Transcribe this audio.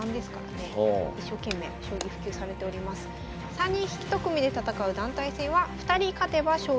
３人一組で戦う団体戦は２人勝てば勝利。